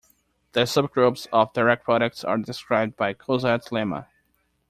The subgroups of direct products are described by Goursat's lemma.